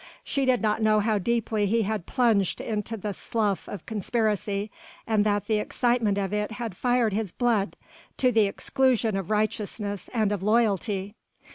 She did not know how deeply he had plunged into the slough of conspiracy, and that the excitement of it had fired his blood to the exclusion of righteousness and of loyalty.